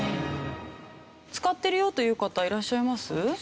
使ってるよという方いらっしゃいます？